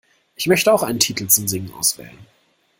Ich möchte auch einen Titel zum Singen auswählen.